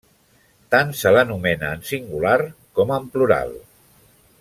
Tant se l'anomena en singular com en plural.